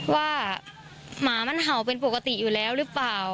หมามันเห่าเป็นปกติอยู่แล้วหรือเปล่า